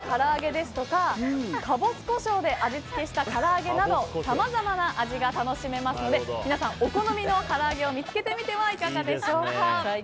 からあげ祭は他にも居酒屋さんが作ったからあげですとかカボスコショウで味付けしたからあげなどさまざまな味付けが楽しめますので皆さん、お好みのからあげを見つけてみてはいかがでしょうか。